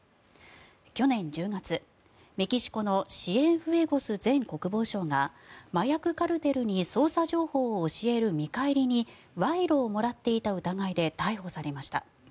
去年１０月、メキシコのシエンフエゴス前国防相が麻薬カルテルに捜査情報を教える見返りに賄賂をもらっていた疑いで逮捕されました。